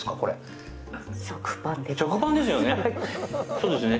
そうですね。